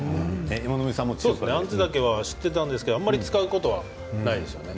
アンズタケは知っていたんですけれどもあんまり使うことはないですね。